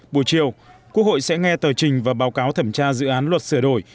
buổi chiều quốc hội sẽ nghe tờ trình và báo cáo thẩm tra dự án luật sửa đổi